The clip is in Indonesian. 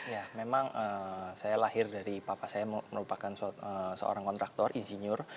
ya memang saya lahir dari papa saya merupakan seorang kontraktor insinyur